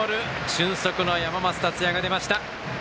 俊足の山増達也が出ました。